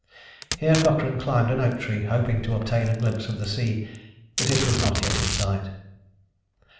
Here Cochrane climbed an oak tree hoping to obtain a glimpse of the sea, but it was not yet in sight.